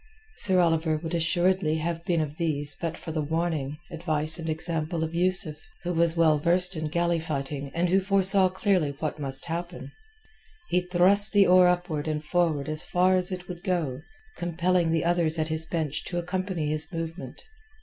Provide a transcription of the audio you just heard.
Sir Oliver would assuredly have been of these but for the warning, advice, and example of Yusuf, who was well versed in galley fighting and who foresaw clearly what must happen. He thrust the oar upward and forward as far as it would go, compelling the others at his bench to accompany his movement.